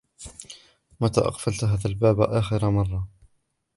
متى أقفلت هذه الباب آخر مرة ؟